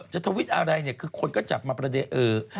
ทวิตอะไรเนี่ยคือคนก็จับมาประเด็นเออ